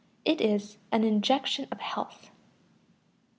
It is an injection of health.